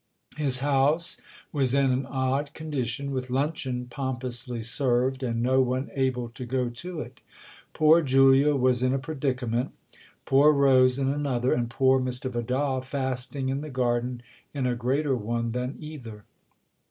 His house was in an odd con dition, with luncheon pompously served and no one able to go to it. Poor Julia was in a predicament, poor Rose in another, and poor Mr. Vidal, fasting in the garden, in a greater one than either.